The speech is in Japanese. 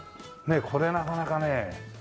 これなかなかね。